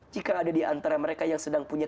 jika ada diantara mereka yang sedang punya